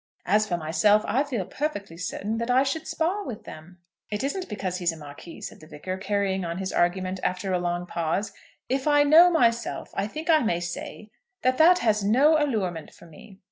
As for myself I feel perfectly certain that I should spar with them." "It isn't because he's a Marquis," said the Vicar, carrying on his argument after a long pause. "If I know myself, I think I may say that that has no allurement for me.